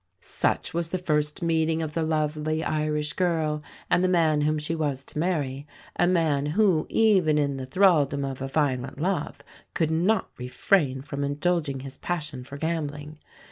Such was the first meeting of the lovely Irish girl, and the man whom she was to marry a man who, even in the thraldom of a violent love, could not refrain from indulging his passion for gambling.